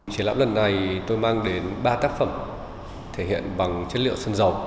triển lãm lần này tôi mang đến ba tác phẩm thể hiện bằng chất liệu sơn dầu